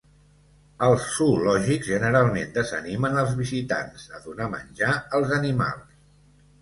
Els zoològics generalment desanimen als visitants a donar menjar als animals.